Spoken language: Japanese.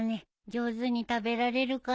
上手に食べられるかな。